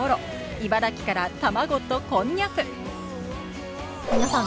茨城から卵とこんにゃく皆さん